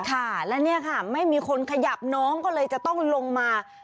ค่ะและเนี่ยค่ะไม่มีคนขยับน้องก็เลยจะต้องลงมา